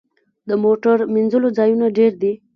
د موټر مینځلو ځایونه ډیر دي؟